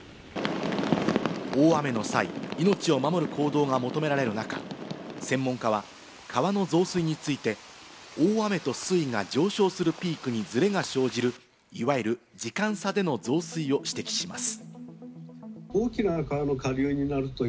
大雨の際、命を守る行動が求められる中、専門家は川の増水について、大雨と水位が上昇するピークにずれが生じる、いわゆる時間差での増水を指摘します。